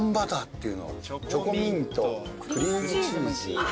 チョコミントクリームチーズ。